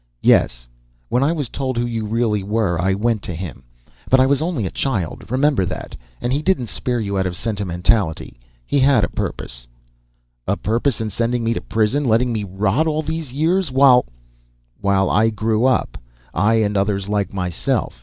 "Yes. When I was told who you really were, I went to him. But I was only a child, remember that. And he didn't spare you out of sentimentality. He had a purpose." "A purpose in sending me to prison, letting me rot all these years while " "While I grew up. I and the others like myself.